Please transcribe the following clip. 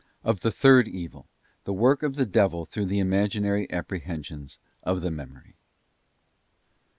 Of the third evil: the work of the devil through the Imaginary Apprehensions of the Memory.